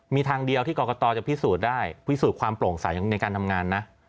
มีทางเดียวที่กรกตจะพิสูจน์ได้พิสูจน์ความโปร่งใสในการทำงานนะ